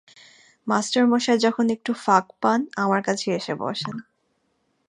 মাস্টারমশায় যখন একটু ফাঁক পান আমার কাছে এসে বসেন।